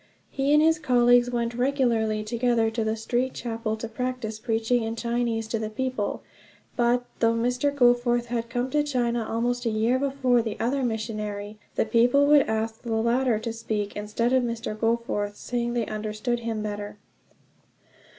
He and his colleague went regularly together to the street chapel, to practise preaching in Chinese to the people; but, though Mr. Goforth had come to China almost a year before the other missionary, the people would ask the latter to speak instead of Mr. Goforth, saying they understood him better.